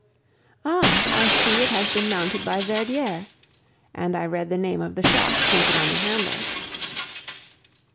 "Ah! I see it has been mounted by Verdier," and I read the name of the shop printed on the handle.